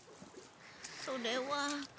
それは。